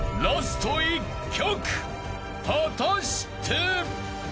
［果たして！？］